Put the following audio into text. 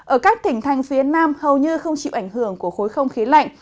ở các tỉnh thành phía nam hầu như không chịu ảnh hưởng của khối không khí lạnh